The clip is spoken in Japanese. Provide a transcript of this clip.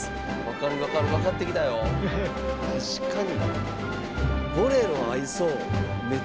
確かに！